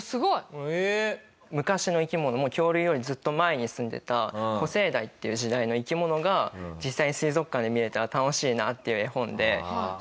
すごい！昔の生き物も恐竜よりずっと前にすんでた古生代っていう時代の生き物が実際に水族館で見れたら楽しいなっていう絵本で。